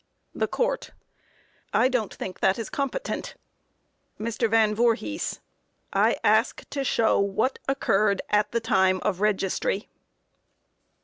THE COURT: I don't think that is competent. MR. VAN VOORHIS: I ask to show what occurred at the time of registry.